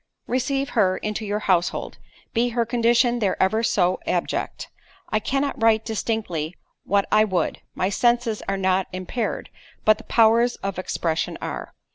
"Receive her into your household, be her condition there ever so abject. I cannot write distinctly what I would—my senses are not impaired, but the powers of expression are.